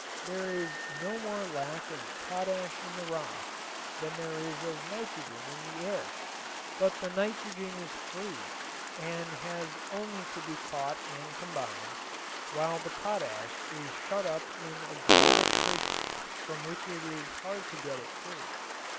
There is no more lack of potash in the rocks than there is of nitrogen in the air, but the nitrogen is free and has only to be caught and combined, while the potash is shut up in a granite prison from which it is hard to get it free.